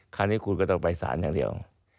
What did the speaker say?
คราวนี้คุณก็ต้องไปสารอย่างเดียว